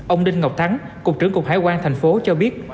ông đinh ngọc thắng cục trưởng cục hải quan tp hcm cho biết